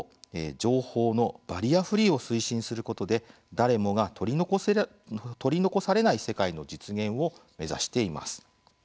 情報のバリアフリーを推進することで、誰もが取り残されない世界の実現を目指しています。